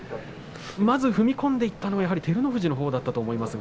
まず踏み込んでいったのは照ノ富士のほうだったと思います。